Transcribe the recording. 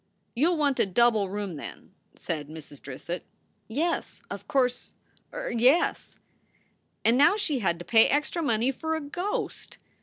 "You ll want a double room, then," said Mrs. Drissett. "Yes, of course er yes." And now she had to pay extra money for a ghost